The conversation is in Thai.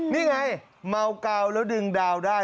นี่ไงเมากาวแล้วดึงดาวได้